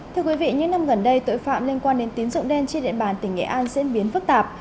thưa quý vị những năm gần đây tội phạm liên quan đến tín dụng đen trên địa bàn tỉnh nghệ an diễn biến phức tạp